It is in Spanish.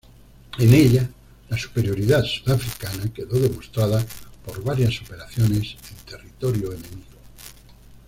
En ella la superioridad sudafricana quedó demostrada por varias operaciones en territorio enemigo.